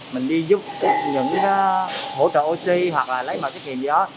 mình đi giúp những hỗ trợ oxy hoặc là lấy một cái kiềm gì đó